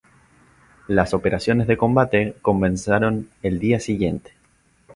Las operaciones de combate comenzaron al día siguiente.